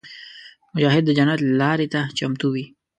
مجاهد د جنت لارې ته چمتو وي.